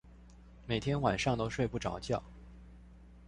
每天晚上都睡不著覺